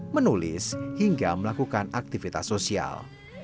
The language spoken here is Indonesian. menulis hingga melakukan aktivitas sosial